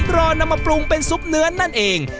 รอนำมาปรุงเป็นซุปเนื้อนั่นเอง